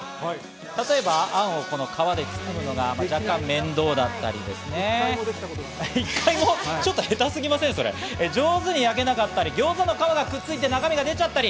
例えばあんを皮で包むのが若干、面倒だったり、上手に焼けなかったりギョーザの皮がくっついて中身が出ちゃったり。